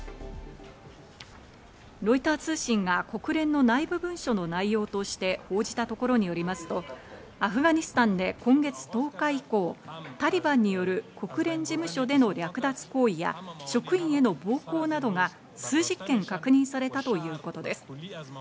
ロイター通信が国連の内部文書の内容として報じたところによりますとアフガニスタンで今月１０日以降、タリバンによる国連事務所での略奪行為や職員への暴行などが数十件、確認されたということです。